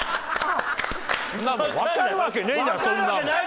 わかるわけねえじゃんそんなの。